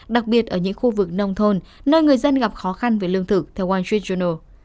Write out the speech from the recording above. đặc biệt ở những khu vực nông thôn nơi người dân gặp khó khăn với lương thực theo wall street journal